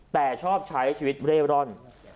แต่ชอบใช้ชีวิตเร่ร่อน